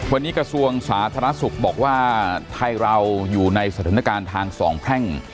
วันนี้กระทรวงสาธารณสุขบอกว่าไทยเราอยู่ในสถานการณ์ทางสองแพร่ง